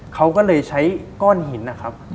เขาก็เลยใช้ก้อนหินนะครับ